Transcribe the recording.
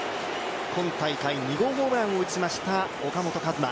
今大会、２号ホームランを打ちました、岡本和真。